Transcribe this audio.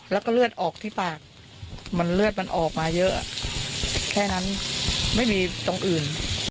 แล้วก็เลือดออกที่ปากมันเลือดมันออกมาเยอะแค่นั้นไม่มีตรงอื่น